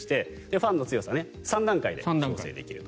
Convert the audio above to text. ファンの強さは３段階で調整できると。